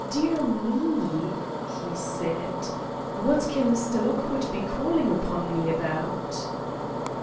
Dear me!" he said; "what can Mr. Lockwood be calling upon me about?"